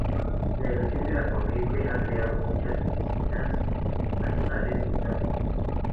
La erosión de la corriente ha creado muchas piscinas naturales y rápidos.